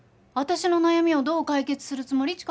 私の悩みをどう解決するつもり？